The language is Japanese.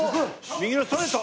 右のストレート！